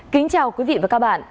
kính chào quý vị và các bạn